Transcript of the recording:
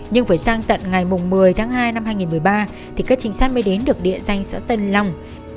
nhưng phải sang tận ngày một mươi tháng hai năm hai nghìn một mươi ba các trịnh sát mới đến được địa danh xã tân lâm